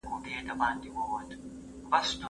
خپل بدن د مثبتو موخو لپاره وکاروئ.